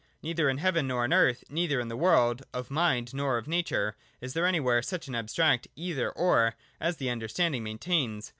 Neither in heaven nor in earth, neither in the world of mind nor of nature, is there anywhere such an abstract ' Either — or ' as the understand ing maintains.